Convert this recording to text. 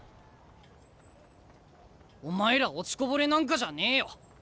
お前ら落ちこぼれなんかじゃねえよ。